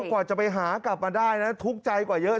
กว่าจะไปหากลับมาได้นะทุกข์ใจกว่าเยอะ